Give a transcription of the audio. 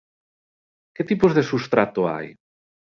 Que tipos de substrato hai?